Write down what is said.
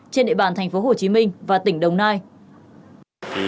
trên địa bàn tp hcm và tỉnh đồng nai